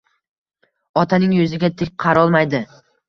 Otaning yuziga tik qarolmaydi.